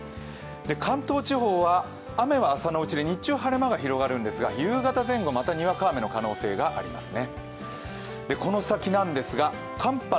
関東地方は雨は朝のうちで日中、晴れ間が広がりますが夕方前後、またにわか雨の可能性がありますね。